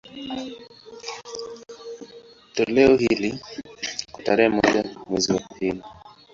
Toleo hili, kwa tarehe moja mwezi wa pili